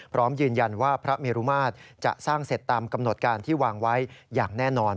พร้อมยืนยันว่าพระเมรุมาตรจะสร้างเสร็จตามกำหนดการที่วางไว้อย่างแน่นอน